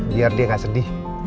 biar dia gak sedih